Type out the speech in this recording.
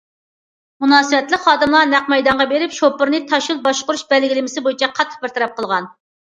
مۇناسىۋەتلىك خادىملار نەق مەيدانغا بېرىپ، شوپۇرنى تاشيول باشقۇرۇش بەلگىلىمىسى بويىچە قاتتىق بىر تەرەپ قىلغان.